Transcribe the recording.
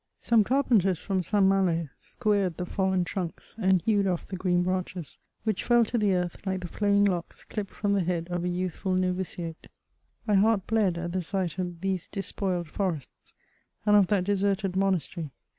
Some carpenters firom St. Malo squared the fidlen trunks, and hewed off the green branches, which fell to the earth like the flowing locks cHpped from the head of a youthful noyidate. My heart bled at the sight of these despoiled forests, and of that deserted monastery.